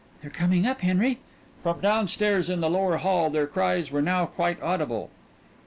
"They're coming up, Henry." From down stairs in the lower hall their cries were now quite audible.